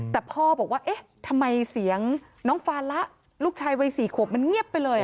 แต่พ่อบอกว่าเอ๊ะทำไมเสียงน้องฟาละลูกชายวัย๔ขวบมันเงียบไปเลย